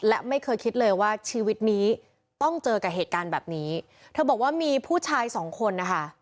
และไม่เคยคิดเลยว่าชีวิตนี้ต้องเจอกับเหตุการณ์แบบนี้เธอบอกว่ามีผู้ชายสองคนนะคะ